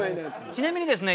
ちなみにですね